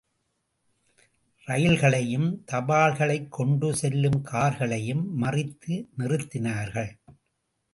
ரயில்களையும் தபால்களைக் கொண்டு செல்லும் கார்களையும் மறித்து நிறுத்தினார்கள்.